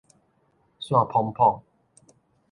散滂滂